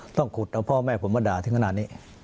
ต้องขุดเอาพ่อแม่ผมมาด่าถึงขนาดนี้